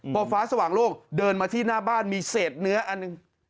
พอฟ้าสว่างโลกเดินมาที่หน้าบ้านมีเศษเนื้ออันหนึ่ง